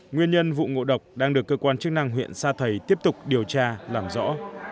nguyên nhân vụ ngộ độc đang được cơ quan chức năng huyện sa thầy tiếp tục điều tra làm rõ